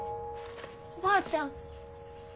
おばあちゃん。